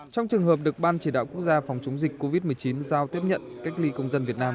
trong trường hợp được ban chỉ đạo quốc gia phòng chống dịch covid một mươi chín giao tiếp nhận cách ly công dân việt nam